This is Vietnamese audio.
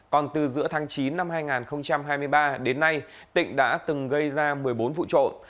còn từ giữa tháng chín năm hai nghìn hai mươi ba đến nay tỉnh đã từng gây ra một mươi bốn vụ trộm